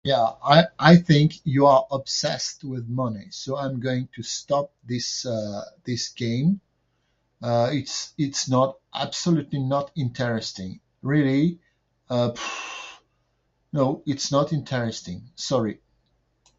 Yeah, I, I think you are obsessed with money. So I'm going to stop this, uh, this game. Uh, it's, it's not- absolutely not interesting, really. Uh, no, it's not interesting, sorry.